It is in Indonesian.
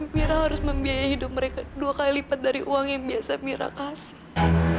mira harus membiayai hidup mereka dua kali lipat dari uang yang biasa mira kasih